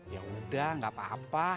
ya udah gak apa apa